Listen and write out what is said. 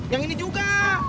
yang ini juga